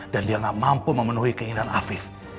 dan dia gak mampu memenuhi keinginan afif